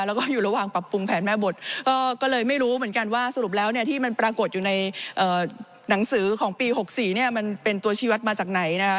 แล้วก็อยู่ระหว่างปรับปรุงแผนแม่บทก็เลยไม่รู้เหมือนกันว่าสรุปแล้วเนี่ยที่มันปรากฏอยู่ในหนังสือของปี๖๔เนี่ยมันเป็นตัวชีวัตรมาจากไหนนะคะ